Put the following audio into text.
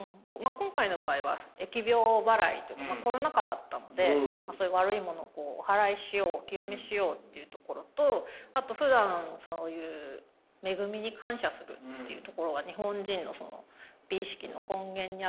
今回の場合は疫病ばらいコロナ禍だったのでそういう悪いものをおはらいしようお清めしようっていうところとあとふだんそういう恵みに感謝するっていうところが日本人の美意識の根源にあるので。